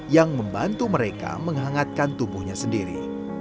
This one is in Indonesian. yang membantu mereka menghangatkan tubuhnya sendiri